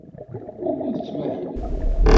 Wukud tettmahalem?